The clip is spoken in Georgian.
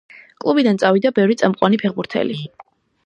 კლუბიდან წავიდა ბევრი წამყვანი ფეხბურთელი.